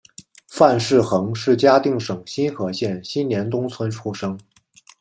范氏姮是嘉定省新和县新年东村出生。